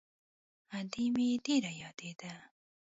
ادې مې ډېره يادېده.